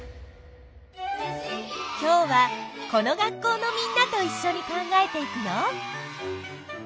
今日はこの学校のみんなといっしょに考えていくよ。